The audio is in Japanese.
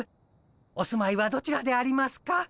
お住まいはどちらでありますか？